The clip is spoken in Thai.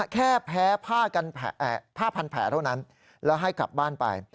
แค่แพ้ผ้าพันแผลเท่านั้นแล้วให้กลับบ้านไป